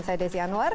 saya desi anwar